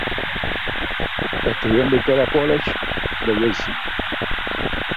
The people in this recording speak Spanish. Estudió en el Victoria College de Jersey.